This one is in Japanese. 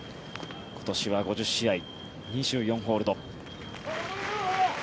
今年は５０試合２４ホールド。